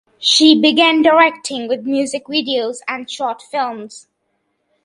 She began directing with music videos and short films.